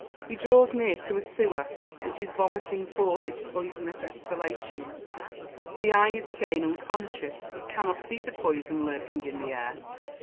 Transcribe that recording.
He draws near to a sewer, which is vomiting forth its poisonous exhalations. The eye is again unconscious it cannot see the poison lurking in the air.